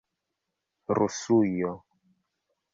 rusujo